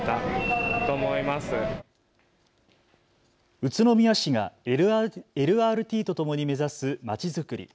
宇都宮市がＬＲＴとともに目指すまちづくり。